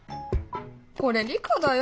これ理科だよ